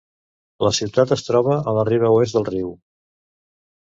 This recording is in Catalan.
La ciutat es troba a la riba oest del riu.